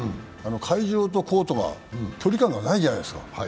会場とコートが距離感がないじゃないですか。